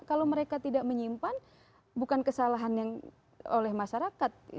kalau mereka tidak menyimpan bukan kesalahan yang oleh masyarakat